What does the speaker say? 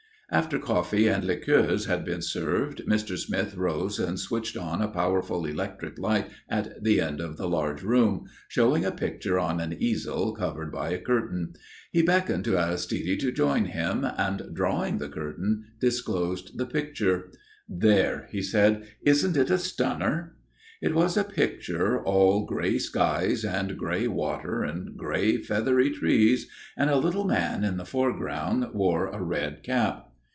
After coffee and liqueurs had been served Mr. Smith rose and switched on a powerful electric light at the end of the large room, showing a picture on an easel covered by a curtain. He beckoned to Aristide to join him and, drawing the curtain, disclosed the picture. "There!" said he. "Isn't it a stunner?" It was a picture all grey skies and grey water and grey feathery trees, and a little man in the foreground wore a red cap.